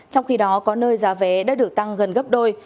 trong khi đó có nơi giá vé đã được tăng gần gấp đôi